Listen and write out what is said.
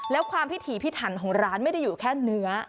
แล้วความพิถีพิถันของร้านไม่ได้อยู่แค่เนื้อ